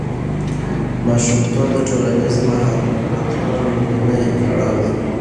ماشومتوب د ټولنیز مهارتونو لومړنی پړاو دی.